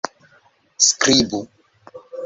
skribu